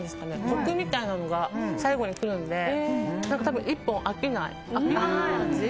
コクみたいなのが最後に来るので１本、飽きがない感じ。